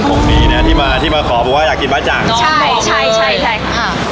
ผมดีเนี่ยที่มาที่มาขอบอกว่าอยากกินบะจ่างใช่ใช่ใช่ใช่